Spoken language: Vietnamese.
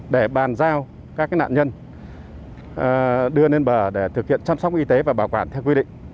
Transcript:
để bàn giao các nạn nhân đưa lên bờ để thực hiện chăm sóc y tế và bảo quản theo quy định